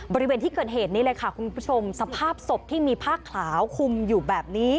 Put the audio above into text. บริเวณที่เกิดเหตุนี้เลยค่ะคุณผู้ชมสภาพศพที่มีผ้าขาวคุมอยู่แบบนี้